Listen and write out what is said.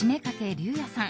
龍也さん。